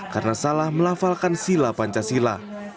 karena salah melafalkan sila pancasila